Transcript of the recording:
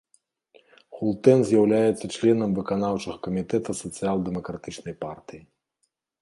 Хултэн з'яўляецца членам выканаўчага камітэта сацыял-дэмакратычнай партыі.